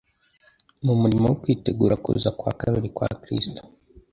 mu murimo wo kwitegura kuza kwa kabiri kwa Kristo.